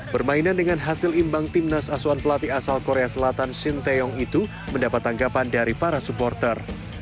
permainan dengan hasil imbang timnas asuhan pelatih asal korea selatan shin taeyong itu mendapat tanggapan dari para supporter